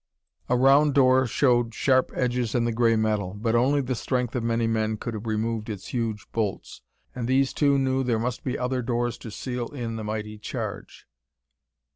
A round door showed sharp edges in the gray metal, but only the strength of many men could have removed its huge bolts, and these two knew there must be other doors to seal in the mighty charge.